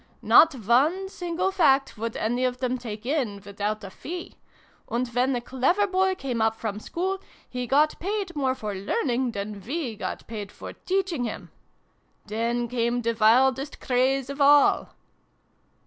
Not one single fact would any of them take in, without a fee ! And when a clever boy came up from school, he got paid more for learning than we got paid for teaching him ! Then came the wildest craze of all."